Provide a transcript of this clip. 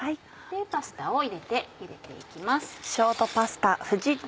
パスタを入れてゆでて行きます。